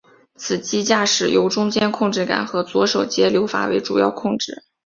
此机驾驶由中间控制杆和左手节流阀为主要控制。